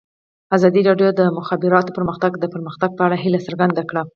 ازادي راډیو د د مخابراتو پرمختګ د پرمختګ په اړه هیله څرګنده کړې.